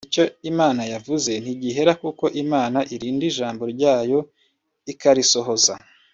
icyo Imana yavuze ntigihera kuko Imana irinda ijambo ryayo ikarisohoza